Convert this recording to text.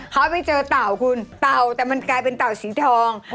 เขาไปเจอเต่าคุณเต่าแต่มันกลายเป็นเต่าสีทอง